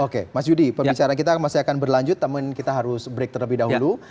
oke mas yudi pembicaraan kita masih akan berlanjut namun kita harus break terlebih dahulu